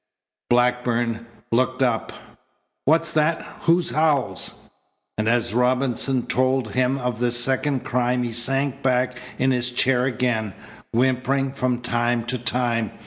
Blackburn looked up. "What's that? Who's Howells?" And as Robinson told him of the second crime he sank back in his chair again, whimpering from time to time.